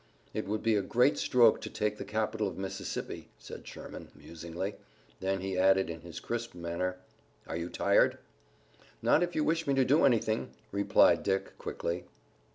"It would be a great stroke to take the capital of Mississippi," said Sherman musingly. Then he added in his crisp manner: "Are you tired?" "Not if you wish me to do anything," replied Dick quickly.